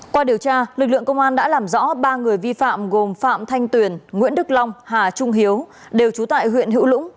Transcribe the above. qua điều tra lực lượng công an đã làm rõ ba người vi phạm gồm phạm thanh tuyền nguyễn đức long hà trung hiếu đều trú tại huyện hữu lũng